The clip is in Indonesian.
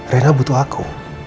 rena butuh aku